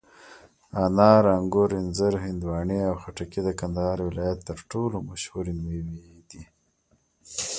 انار، انګور، انځر، هندواڼې او خټکي د کندهار ولایت تر ټولو مشهوري مېوې دي.